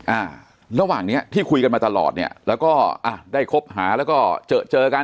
อ่าระหว่างเนี้ยที่คุยกันมาตลอดเนี้ยแล้วก็อ่ะได้คบหาแล้วก็เจอเจอกัน